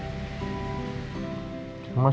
aku udah diajakin jalan jalan keluar